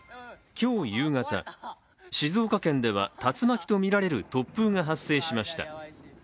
今日夕方、静岡県では竜巻とみられる突風が発生しました。